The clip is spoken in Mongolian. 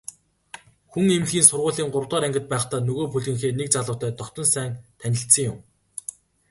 Хүн эмнэлгийн сургуулийн гуравдугаар ангид байхдаа нөгөө бүлгийнхээ нэг залуутай дотно сайн танилцсан юм.